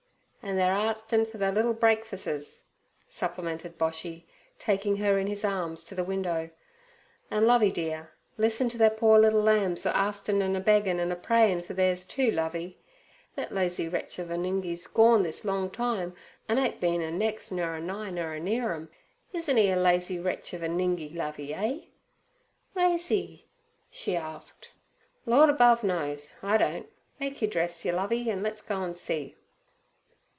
'An' they're arstin' fer their liddle break fusses,' supplemented Boshy, taking her in his arms to the window. 'An', Lovey dear, lis'en to ther poor liddle lambs a arstin' an' a beggin' an' a prayin' fer theirs too, Lovey. Thet lazy wretch ov a Nungi's gorn this long time, an' ain't bin a nex', nur a nigh, nur a near 'em. Isen't 'e a lazy wretch ov a Nungi, Lovey, eh?' 'Ways 'e?' she asked. 'Lord above knows, I don't. Make 'er dress yer, Lovey, an' le's go an' see.'